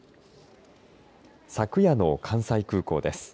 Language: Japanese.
昨夜の関西空港です。